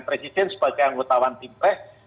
presiden sebagai anggota one team press